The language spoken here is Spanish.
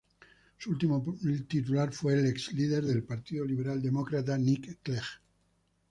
Su último titular fue el ex líder del Partido Liberal-Demócrata, Nick Clegg.